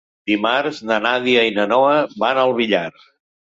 Dimarts na Nàdia i na Noa van al Villar.